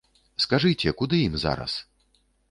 Скажыце, куды ім зараз?